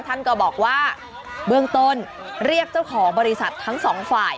ท่านก็บอกว่าเบื้องต้นเรียกเจ้าของบริษัททั้งสองฝ่าย